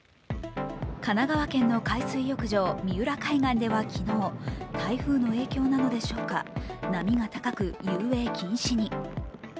神奈川県の海水浴場三浦海岸では昨日台風の影響なのでしょうか、波が高く、遊泳禁止に。